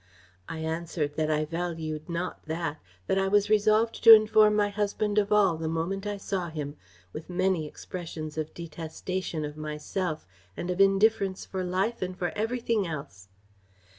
I answered, that I valued not that; that I was resolved to inform my husband of all the moment I saw him; with many expressions of detestation of myself and an indifference for life and for everything else.